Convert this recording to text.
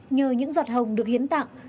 nhờ những giọt hồng được hiến tặng